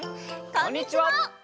こんにちは！